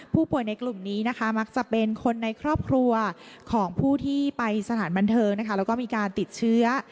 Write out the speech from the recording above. ผู้ป่วยในกลุ่มนี้นะคะมักจะเป็นคนในครอบครัวของผู้ที่ไปสถานบันเทิงนะคะแล้วก็มีการติดเชื้อ